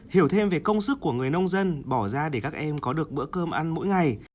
hiểu thêm về công sức của người nông dân bỏ ra để các em có được bữa cơm ăn mỗi ngày